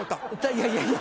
いやいやいや。